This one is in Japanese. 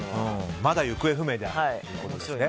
まだ行方不明ということですね。